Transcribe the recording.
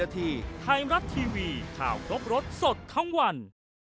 ไทยรัฐทีวีข่าวครบรสสดทั้งวัน